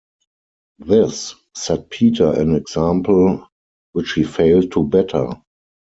This set Peter an example which he failed to better.